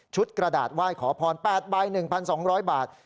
กระดาษไหว้ขอพร๘ใบ๑๒๐๐บาท